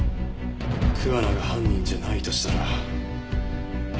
桑名が犯人じゃないとしたら一体誰が？